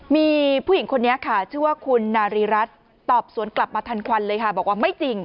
มีผู้หญิงคนนี้ค่ะชื่อว่าคุณนารีรัฐตอบสวนกลับมาทันควันเลยค่ะบอกว่าไม่จริง